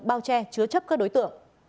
bao che chứa chấp các đối tượng